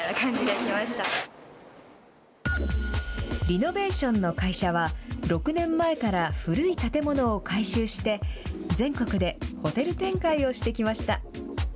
リノベーションの会社は６年前から古い建物を改修して、全国でホテル展開をしてきました。